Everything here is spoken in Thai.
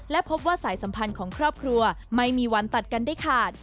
และพบว่าสายสัมพันธ์ของครอบครัวไม่มีวันตัดกันได้ขาด